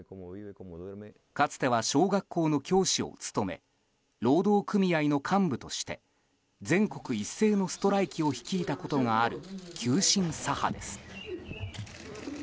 かつては小学校の教師を務め労働組合の幹部として全国一斉のストライキを率いたことがある急進左派です。